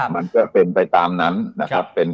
มันก็เป็นไปตามนั้นนะครับ